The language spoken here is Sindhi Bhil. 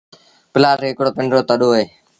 پلآٽ هڪڙو پنڊرو تڏو اهي۔